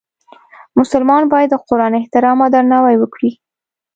مسلمان باید د قرآن احترام او درناوی وکړي.